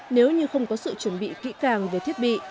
nếu như không có sự chuẩn bị kỹ càng về thiết bị